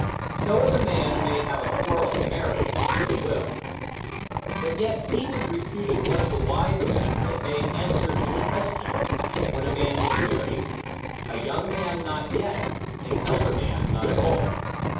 So as a man may have a quarrel to marry, when he will. But yet he was reputed one of the wise men, that made answer to the question, when a man should marry, A young man not yet, an elder man not at all.